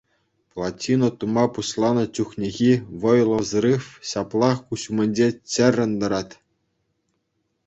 Плотина тума пуҫланӑ чухнехи вӑйлӑ взрыв ҫаплах куҫ умӗнче чӗррӗн тӑрать.